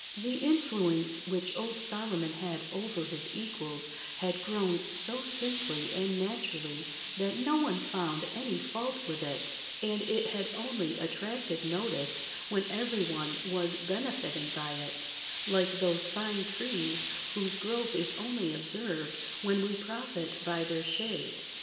The influence which old Solomon had over his equals had grown so simply and naturally, that no one found any fault with it, and it had only attracted notice when everyone was benefiting by it, like those fine trees whose growth is only observed when we profit by their shade.